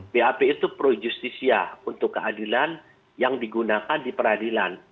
bap itu pro justisia untuk keadilan yang digunakan di peradilan